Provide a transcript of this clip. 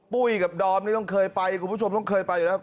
ปุ้ยกับดอมนี่ต้องเคยไปคุณผู้ชมต้องเคยไปอยู่แล้ว